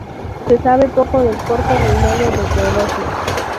Se sabe poco del corto reinado de Teodosio.